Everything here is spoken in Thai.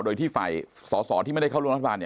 โดยที่ฝ่ายสอสอที่ไม่ได้เข้าร่วมรัฐบาล